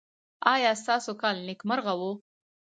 ایا ستاسو کال نیکمرغه و؟